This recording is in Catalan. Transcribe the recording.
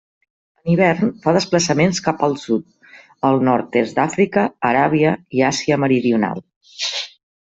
En hivern fa desplaçaments cap al sud, al nord-est d'Àfrica, Aràbia i Àsia Meridional.